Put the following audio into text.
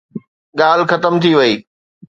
ڳالهه ختم ٿي وئي.